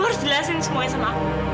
gue harus jelasin semuanya sama aku